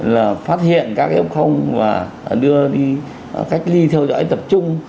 là phát hiện các ép không và đưa đi cách ly theo dõi tập trung